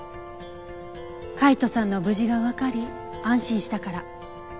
海斗さんの無事がわかり安心したから。